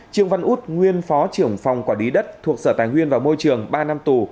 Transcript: trương văn út nguyên phó trưởng phòng quản lý đất thuộc sở tài nguyên và môi trường ba năm tù